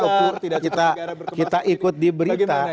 ataupun kita ikut di berita